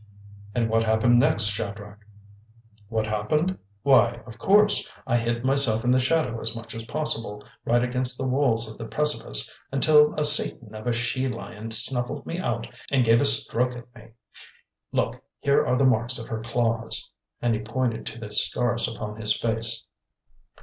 "And what happened next, Shadrach?" "What happened? Why, of course I hid myself in the shadow as much as possible, right against the walls of the precipice, until a satan of a she lion snuffled me out and gave a stroke at me. Look, here are the marks of her claws," and he pointed to the scars upon his face.